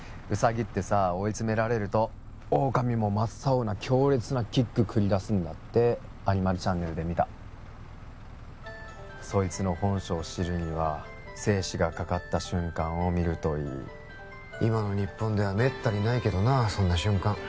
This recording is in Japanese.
ウサギってさ追い詰められるとオオカミも真っ青な強烈なキック繰り出すんだってアニマルチャンネルで見たそいつの本性を知るには生死がかかった瞬間を見るといい今の日本ではめったにないけどなそんな瞬間